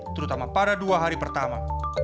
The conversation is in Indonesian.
terutama pada dua hari pertama